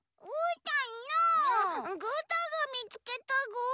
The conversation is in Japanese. ぐーたんがみつけたぐ。